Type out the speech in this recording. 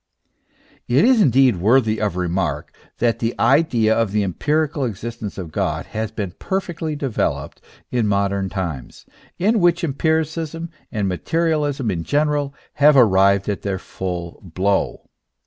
It is indeed worthy of remark, that the idea of the empirical existence of God has been perfectly developed in modern times, in which empiricism and materialism in general have arrived at their full blow.